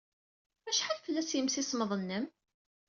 Acḥal fell-as yimsismeḍ-nwen?